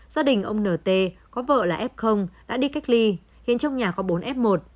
gia đình ông nt có vợ là f đã đi cách ly khiến trong nhà có bốn f một